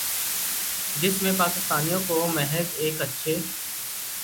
جس میں پاکستانیوں کو محض ایک اچھے